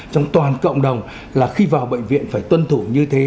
trong toàn cộng đồng là khi vào bệnh viện phải tuân thủ như thế